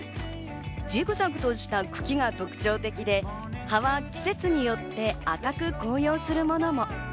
ジグザグとした茎が特徴的で、葉は季節によって赤く紅葉するものも。